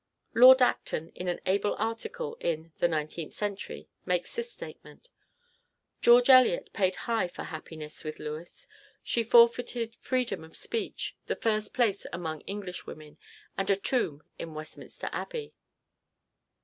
Lord Acton in an able article in the "Nineteenth Century" makes this statement: "George Eliot paid high for happiness with Lewes. She forfeited freedom of speech, the first place among English women, and a tomb in Westminster Abbey."